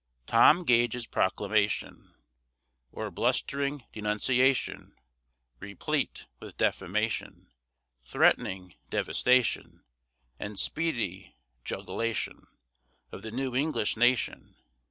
TOM GAGE'S PROCLAMATION; OR BLUSTERING DENUNCIATION (REPLETE WITH DEFAMATION) THREATENING DEVASTATION, AND SPEEDY JUGULATION, OF THE NEW ENGLISH NATION.